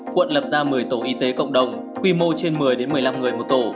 quận lập ra một mươi tổ y tế cộng đồng quy mô trên một mươi một mươi năm người một tổ